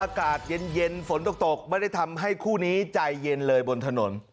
อากาศเย็นฝนตกไม่ได้ทำให้คู่นี้ใจเย็นเลยบนถนน